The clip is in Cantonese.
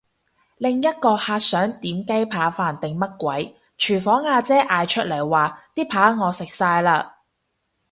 另一個客想點雞扒飯定乜鬼，廚房阿姐嗌出嚟話啲扒我食晒嘞！